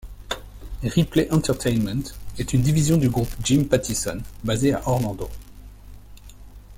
Ripley Entertainement est une division du groupe Jim Pattison, basée à Orlando.